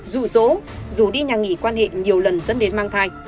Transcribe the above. rủ dỗ rủ đi nhà nghỉ quan hệ nhiều lần dẫn đến mang thai